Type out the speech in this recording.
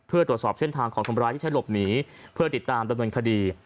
เพื่อตรวจสอบเส้นทางของคนร้ายที่ใช้หลบหนีเพื่อติดตามดำเนินคดี